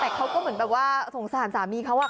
แต่เขาก็เหมือนรู้สึกว่าสงสารสามีเขาก็ว่า